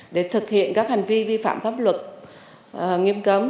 để thực hiện các hành vi vi phạm pháp luật nghiêm cấm